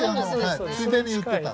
ついでに売ってた。